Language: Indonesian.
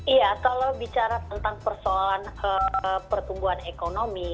iya kalau bicara tentang persoalan pertumbuhan ekonomi